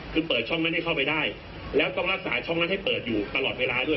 คือเปิดช่องนั้นให้เข้าไปได้แล้วต้องรักษาช่องนั้นให้เปิดอยู่ตลอดเวลาด้วย